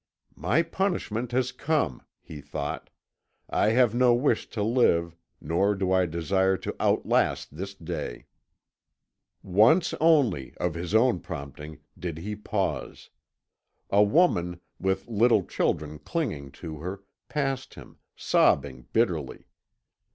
"My punishment has come," he thought. "I have no wish to live, nor do I desire to outlast this day." Once only, of his own prompting, did he pause. A woman, with little children clinging to her, passed him, sobbing bitterly.